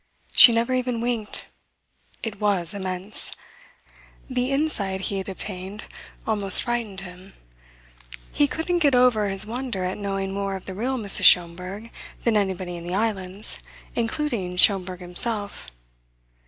She never even winked. It was immense! The insight he had obtained almost frightened him; he couldn't get over his wonder at knowing more of the real Mrs. Schomberg than anybody in the Islands, including Schomberg himself.